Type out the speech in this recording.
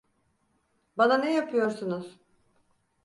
Bana ne yapıyorsunuz?